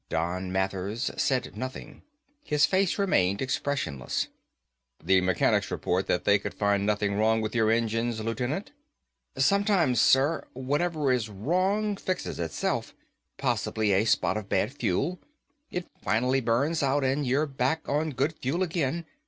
Don Mathers said nothing. His face remained expressionless. "The mechanics report that they could find nothing wrong with your engines, Lieutenant." "Sometimes, sir, whatever is wrong fixes itself. Possibly a spot of bad fuel. It finally burns out and you're back on good fuel again.